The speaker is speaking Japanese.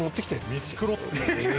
見繕って。